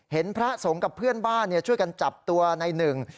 พระสงฆ์กับเพื่อนบ้านช่วยกันจับตัวในหนึ่ง